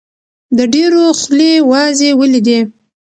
د ډېرو خولې وازې ولیدې.